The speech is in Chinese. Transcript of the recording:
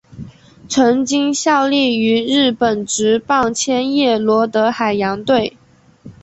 曾经效力于日本职棒千叶罗德海洋队。